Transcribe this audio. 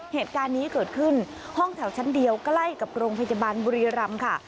เหตุการณ์นี้เกิดขึ้นห้องแถวชั้นเดียวใกล้กับโรงพยาบาลบุรีรำค่ะ